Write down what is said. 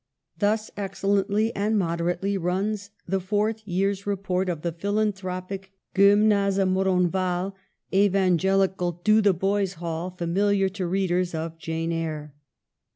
Thus excellently and moderately runs the fourth year's report of the philanthropic Gym nase Moronval, evangelical Dotheboys Hall, fa miliar to readers of 'Jane Eyre.'